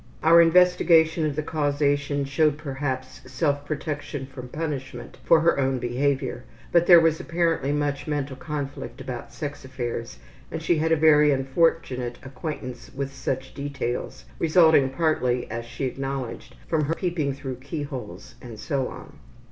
Our investigation of the causation showed perhaps self protection from punishment for her own behavior, but there was apparently much mental conflict about sex affairs and she had a very unfortunate acquaintance with such details, resulting partly, as she acknowledged, from her peeping through keyholes and so on.